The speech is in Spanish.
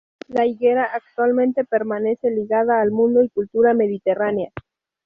La higuera actualmente permanece ligada al mundo y cultura mediterránea.